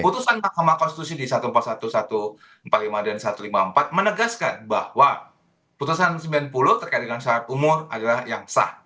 karena mahkamah konstitusi di satu ratus empat puluh satu satu ratus empat puluh lima dan satu ratus lima puluh empat menegaskan bahwa putusan sembilan puluh terkait dengan saat umur adalah yang sah